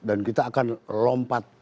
dan kita akan lompat